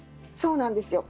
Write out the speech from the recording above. そうなんです。